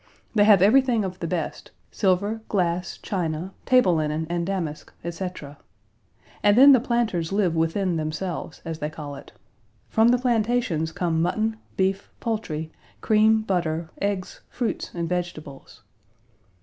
They have everything of the best silver, glass, china, table linen, and damask, etc. And then the planters live "within themselves," as they call it. From the plantations come mutton, beef, poultry, cream, butter, eggs, fruits, and vegetables.